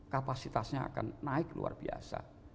kapasitasnya akan naik luar biasa